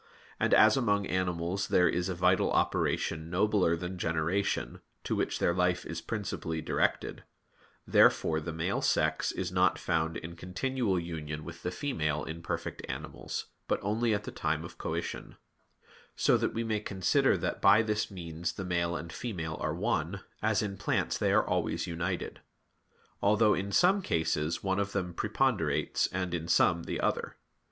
And as among animals there is a vital operation nobler than generation, to which their life is principally directed; therefore the male sex is not found in continual union with the female in perfect animals, but only at the time of coition; so that we may consider that by this means the male and female are one, as in plants they are always united; although in some cases one of them preponderates, and in some the other.